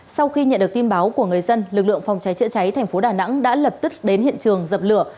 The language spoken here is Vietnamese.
sau khi nhận được tin báo của người dân lực lượng phòng cháy chữa cháy thành phố đà nẵng đã lập tức đến hiện trường dập lửa